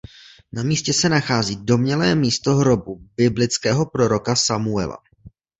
Na místě se nachází domnělé místo hrobu biblického proroka Samuela.